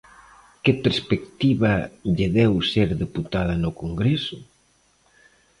-Que perspectiva lle deu ser deputada no Congreso?